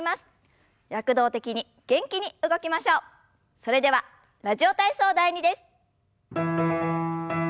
それでは「ラジオ体操第２」です。